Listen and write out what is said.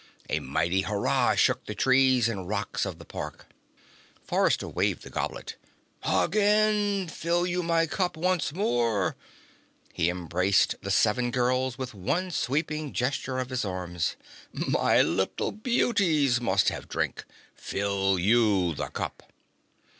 A mighty hurrah shook the trees and rocks of the park. Forrester waved the goblet. "Again. Fill you my cup once more!" He embraced the seven girls with one sweeping gesture of his arms. "My little beauties must have drink! Fill you the cup!"